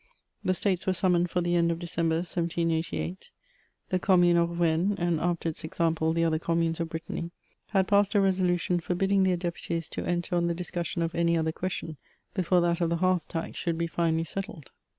The States were sum moned for the end of December, 1788. The commune of Rennes, and, after its example, the other communes of Brittany, had passed a resolution forbid^g their deputies to enter on the discussion of any other question before that of the hearth tax should be finally settled.